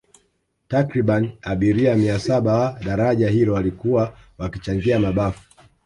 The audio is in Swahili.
Takribani abiria mia saba wa daraja hilo walikuwa wakichangia mabafu